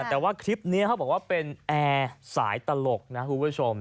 แต่ว่าคลิปนี้เขาบอกว่าเป็นแอร์สายตลกนะคุณผู้ชม